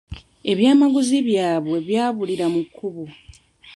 Ebyamaguzi byabwe byabulira mu kkubo.